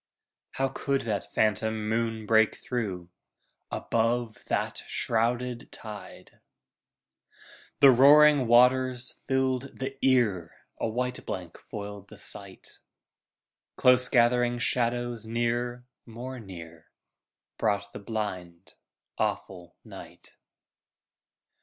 How could that phantom moon break through, Above that shrouded tide? The roaring waters filled the ear, A white blank foiled the sight. Close gathering shadows near, more near, Brought the blind, awful night.